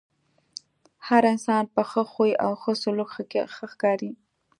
هر انسان په ښۀ خوی او ښۀ سلوک ښۀ ښکاري .